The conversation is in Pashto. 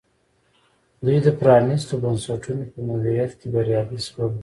دوی د پرانیستو بنسټونو په مدیریت کې بریالي شول.